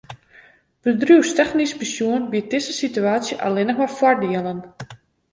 Bedriuwstechnysk besjoen biedt dizze situaasje allinnich mar foardielen.